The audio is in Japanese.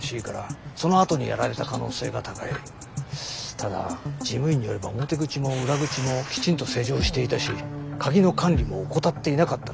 ただ事務員によれば表口も裏口もきちんと施錠していたし鍵の管理も怠っていなかったらしい。